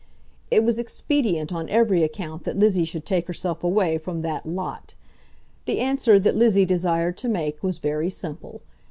It was expedient on every account that Lizzie should take herself away from that "lot." The answer that Lizzie desired to make was very simple.